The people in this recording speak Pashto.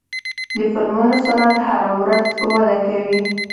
د فلمونو صنعت هره ورځ وده کوي.